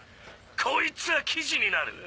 こいつは記事になる！